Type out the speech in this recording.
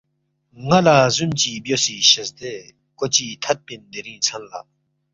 نا لا زوم چی بیوسی شزدے کوچی تھدپن دیرینگ ژھن لا